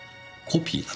コピー？